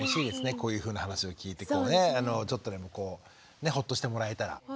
こういうふうな話を聞いてこうねちょっとでもほっとしてもらえたら。